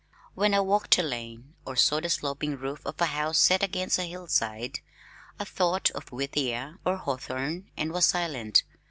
When I walked a lane, or saw the sloping roof of a house set against a hillside I thought of Whittier or Hawthorne and was silent.